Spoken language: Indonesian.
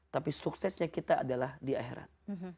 tapi suksesnya kita adalah di akhirat